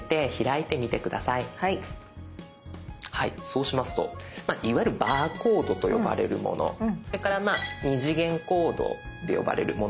そうしますとまあいわゆるバーコードと呼ばれるものそれから二次元コードって呼ばれるものがあると思います。